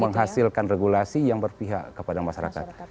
menghasilkan regulasi yang berpihak kepada masyarakat